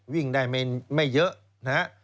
วิ่งได้ไม่เยอะนะฮะ